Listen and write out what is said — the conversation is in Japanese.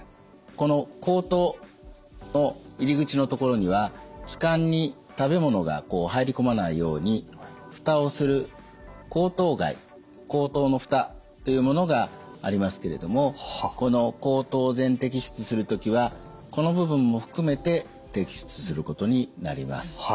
この喉頭の入り口の所には気管に食べ物が入り込まないように蓋をする喉頭蓋喉頭の蓋というものがありますけれどもこの喉頭を全摘出する時はこの部分も含めて摘出することになります。